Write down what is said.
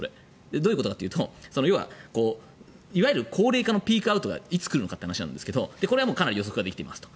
どういうことかというと高齢化のピークアウトがいつ来るかって話すですがこれはかなり予測ができていますと。